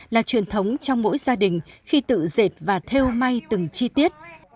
là truyền thống trong mỗi gia đình khi tự dệt và theo may từng chi tiết